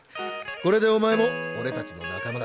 これでお前もオレたちの仲間だ。